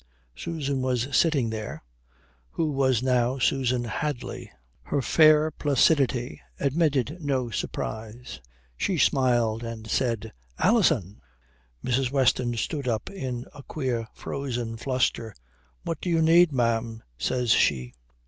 Susan was sitting there, who was now Susan Hadley. Her fair placidity admitted no surprise. She smiled and said, "Alison!" Mrs. Weston stood up in a queer frozen fluster. "What do you need, ma'am?" says she.